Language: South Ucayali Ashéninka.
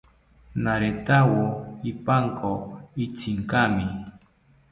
Naretawo ipanko itzinkami